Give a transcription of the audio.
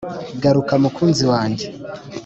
Garuka mukunzi wanjye